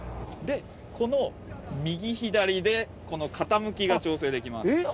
でこの右左で傾きが調整できます。